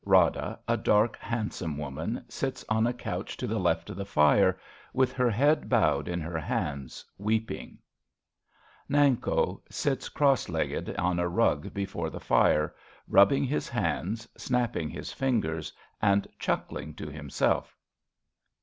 Rada, a dark handsome woman, sits on a couch to the left of the fire, tvith he7' head bowed in her hands, iveeping. Nanko sits cross legged on a rug before the fire, rubbing his hands, snapping his fingers, and chuckling to himself.